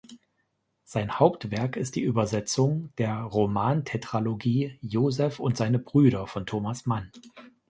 Sein Hauptwerk ist die Übersetzung der Roman-Tetralogie "Joseph und seine Brüder" von Thomas Mann.